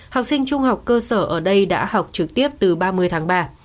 học sinh trung học cơ sở ở đây đã học trực tiếp từ ba mươi tháng ba